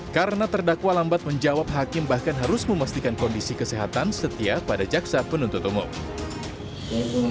karena terdakwa lambat menjawab hakim bahkan harus memastikan kondisi kesehatan setia pada jaksa penuntut umum